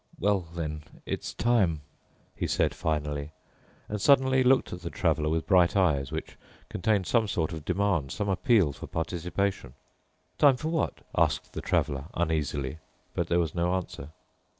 "Well then, it's time," he said finally and suddenly looked at the Traveler with bright eyes which contained some sort of demand, some appeal for participation. "Time for what?" asked the Traveler uneasily. But there was no answer.